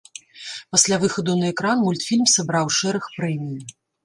Пасля выхаду на экран мультфільм сабраў шэраг прэмій.